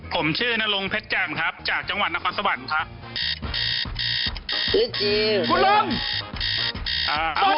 ผมชื่อนรงพร้อมจ้างจากจังหวันนครสะวนของคุณครับ